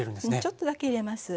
ちょっとだけ入れます。